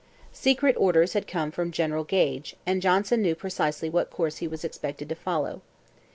Secret orders had come from General Gage, and Johnson knew precisely what course he was expected to follow.